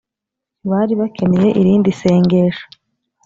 bari bakeneye irindi sengesho